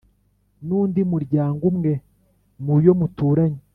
nundi muryango umwe mu yo muturanye